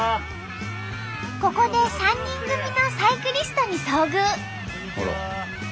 ここで３人組のサイクリストに遭遇！